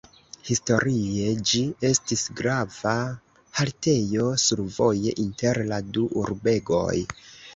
Historie ĝi estis grava haltejo survoje inter la du urbegoj.